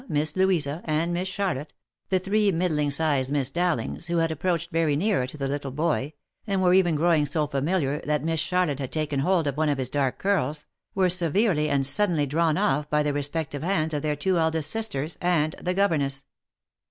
Miss Louisa, and Miss Charlotte, the three middling sized Miss Dowlings, who had approached very near to the little boy, and were even growing so familiar that Miss Charlotte had taken hold of one of his dark curls, were severally and suddenly drawn off by the re spective hands of their two eldest sisters, and the governess.